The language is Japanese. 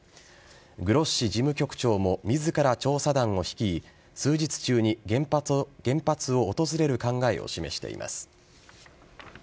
グロッシ事務局長も自ら調査団を率い数日中に原発を訪れる考えを示しています。